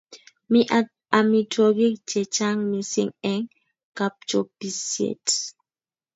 Mi amitwogik che chang mising eng kapchopisiet